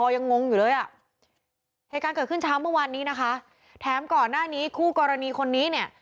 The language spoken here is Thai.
ยังเกิดขึ้นเช้าเมื่อวานนี้นะคะแถมก่อนหน้านี้คู่กรณีคนนี้เนี่ย